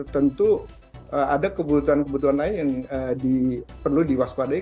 tentu ada kebutuhan kebutuhan lain yang perlu diwaspadai